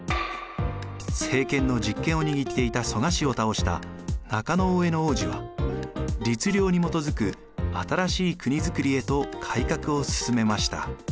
政権の実権を握っていた蘇我氏を倒した中大兄皇子は律令にもとづく新しい国づくりへと改革をすすめました。